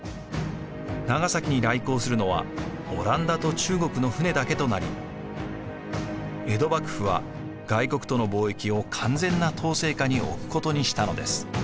長崎に来航するのはオランダと中国の船だけとなり江戸幕府は外国との貿易を完全な統制下に置くことにしたのです。